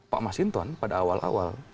pak masinton pada awal awal